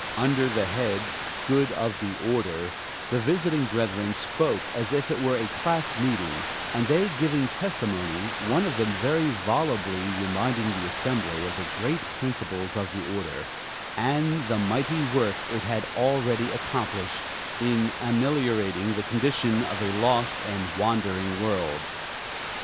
Under the head "Good of the Order" the visiting brethren spoke as if it were a class meeting and they giving "testimony," one of them very volubly reminding the assembly of the great principles of the order, and the mighty work it had already accomplished in ameliorating the condition of a lost and wandering world.